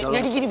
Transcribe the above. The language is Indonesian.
gak ada duit